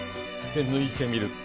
抜いてみる。